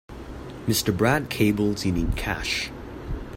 Mr. Brad cables you need cash.